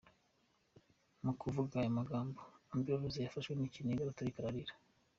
Mu kuvuga aya magambo, Amber Rose yafashwe n’ikiniga araturika ararira.